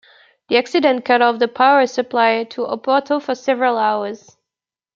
The accident cut off the power supply to Oporto for several hours.